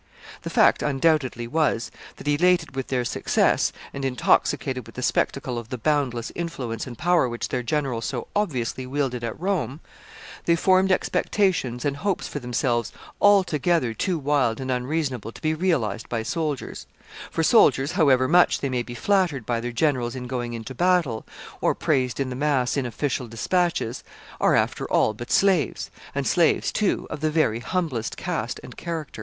The fact undoubtedly was, that, elated with their success, and intoxicated with the spectacle of the boundless influence and power which their general so obviously wielded at Rome, they formed expectations and hopes for themselves altogether too wild and unreasonable to be realized by soldiers; for soldiers, however much they may be flattered by their generals in going into battle, or praised in the mass in official dispatches, are after all but slaves, and slaves, too, of the very humblest caste and character.